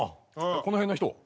この辺の人？